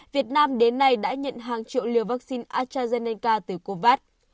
việt nam đến nay đã nhận hàng triệu liều vaccine astrazeneca từ covax